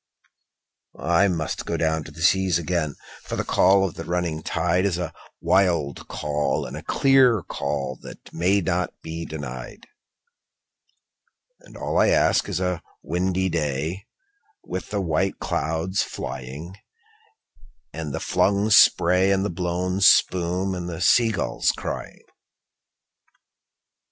I must down go to the seas again, for the call of the running tide Is a wild call and a clear call that may not be denied; And all I ask is a windy day with the white clouds flying, And the flung spray and the blown spume, and the sea gulls crying.